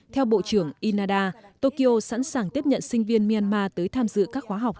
theo bộ trưởng ina tokyo sẵn sàng tiếp nhận sinh viên myanmar tới tham dự các khóa học